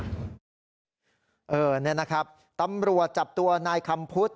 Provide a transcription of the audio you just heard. แบบนี้นะครับตำรวจจับตัวนคมพุธ